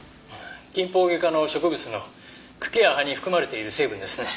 キンポウゲ科の植物の茎や葉に含まれている成分ですね。